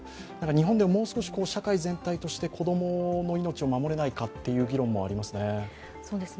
日本でももう少し社会全体として子供の命を守れないかという議論もあります。